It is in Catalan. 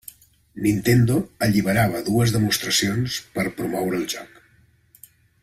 Nintendo alliberava dues demostracions per promoure el joc.